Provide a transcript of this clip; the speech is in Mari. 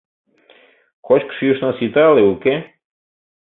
Кочкыш-йӱышна сита але уке?